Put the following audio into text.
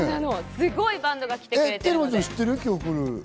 すごいバンドが来てくれてます。